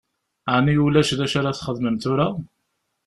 Ɛni ulac d acu ara ad txedmem tura?